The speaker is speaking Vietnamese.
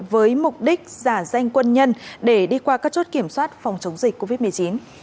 với mục đích giả danh quân nhân để đi qua các chốt kiểm soát phòng chống dịch covid một mươi chín